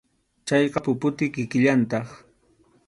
Chayqa puputi kikillantaq.